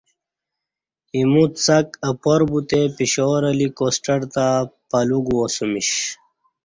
ایمو څݣ اپاربوتے پشاور اہ لی کوسٹر تہ پلوگوا سیمش